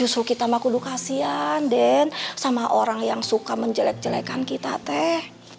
justru kita mah kudu kasihan den sama orang yang suka menjelek jelekan kita teh